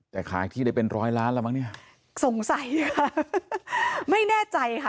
แต่ขายที่ได้เป็นร้อยล้านแล้วมั้งเนี่ยสงสัยค่ะไม่แน่ใจค่ะ